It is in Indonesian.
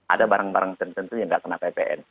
ada barang barang tentu tentu yang tidak kena ppn